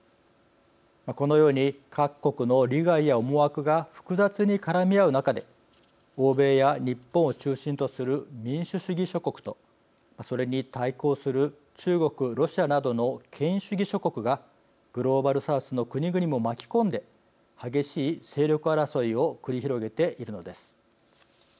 このように各国の利害や思惑が複雑に絡み合う中で欧米や日本を中心とする民主主義諸国とそれに対抗する中国、ロシアなどの権威主義諸国がグローバルサウスの国々も巻き込んで激しい勢力争いを繰り広げているのです。